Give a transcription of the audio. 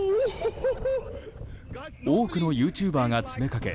多くのユーチューバーが詰めかけ